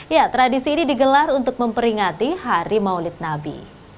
ya tradisi ini digelar untuk memperingati hari maulid nabi